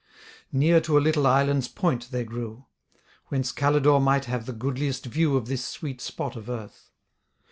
Near to a little island's point they grew; Whence Calidore might have the goodliest view Of this sweet spot of earth.